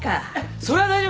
それは大丈夫です。